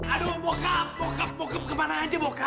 aduh bokap bokap bokap kemana aja bokap